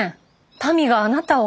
民があなたを。